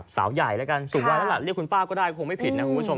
สาวใหญ่แล้วกันสูงวัยแล้วล่ะเรียกคุณป้าก็ได้คงไม่ผิดนะคุณผู้ชม